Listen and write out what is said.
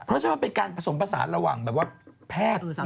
เพราะฉะนั้นมันเป็นการผสมผสานระหว่างแบบว่าแพทย์